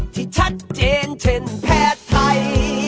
ที่ชัดเจนเช่นแพทย์ไทย